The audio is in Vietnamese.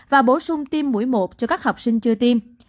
và bổ sung tiêm mũi một cho các học sinh chưa tiêm